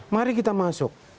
mari kita masuk